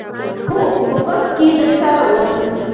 هو په بس کې درسره وم.